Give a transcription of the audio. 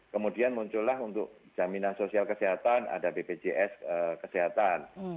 kemudian muncullah untuk jaminan sosial kesehatan ada bpjs kesehatan